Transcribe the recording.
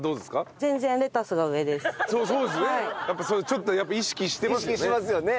ちょっとやっぱ意識してますよね。